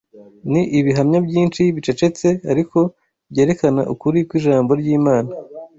ni ibihamya byinshi bicecetse ariko byerekana ukuri kw’ijambo ry’Imana.